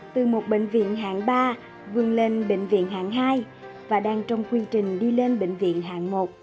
từ một bệnh viện hạng ba vươn lên bệnh viện hạng hai và đang trong quy trình đi lên bệnh viện hạng một